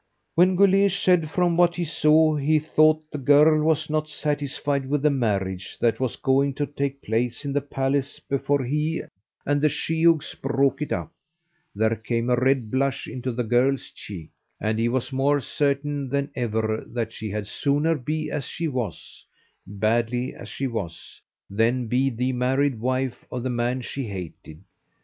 When Guleesh said from what he saw he thought the girl was not satisfied with the marriage that was going to take place in the palace before he and the sheehogues broke it up, there came a red blush into the girl's cheek, and he was more certain than ever that she had sooner be as she was badly as she was than be the married wife of the man she hated.